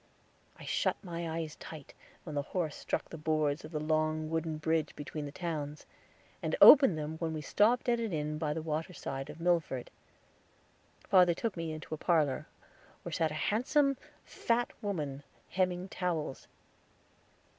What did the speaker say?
I shut my eyes tight, when the horse struck the boards of the long wooden bridge between the towns, and opened them when we stopped at an inn by the water side of Milford. Father took me into a parlor, where sat a handsome, fat woman, hemming towels.